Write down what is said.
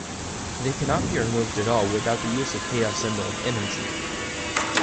They cannot be removed at all without the use of Chaos Emerald energy.